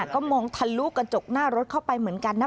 ก็มองทะลุกระจกหน้ารถเข้าไปเหมือนกันนะ